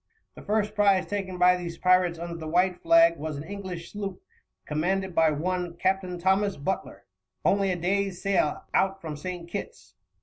The first prize taken by these pirates under the white flag was an English sloop commanded by one Captain Thomas Butler, only a day's sail out from St. Kitts.